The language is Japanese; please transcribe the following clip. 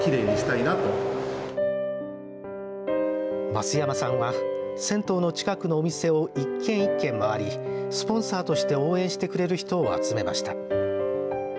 増山さんは銭湯の近くのお店を一軒一軒回りスポンサーとして応援してくれる人を集めました。